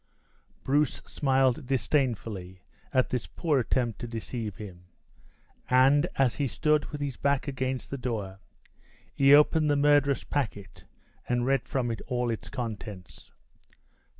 Bruce smiled disdainfully at this poor attempt to deceive him; and, as he stood with his back against the door, he opened the murderous packet, and read from it all its contents.